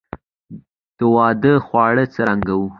د واده خواړه څرنګه وو؟